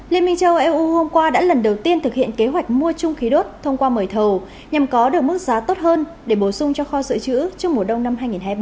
liên minh châu âu eu hôm qua đã lần đầu tiên thực hiện kế hoạch mua chung khí đốt thông qua mời thầu nhằm có được mức giá tốt hơn để bổ sung cho kho sợi chữ trong mùa đông năm hai nghìn hai mươi ba hai nghìn hai mươi bốn